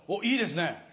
いいですね。